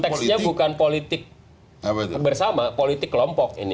teksnya bukan politik bersama politik kelompok ini